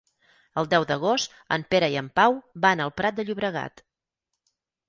El deu d'agost en Pere i en Pau van al Prat de Llobregat.